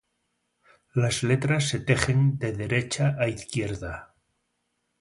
Las letras se tejen de derecha a izquierda.